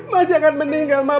mbak jangan meninggal mbak